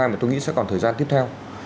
mà tôi nghĩ sẽ còn thời gian tiếp theo